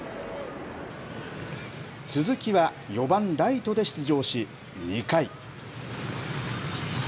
鈴木は４番ライトで出場し、２回。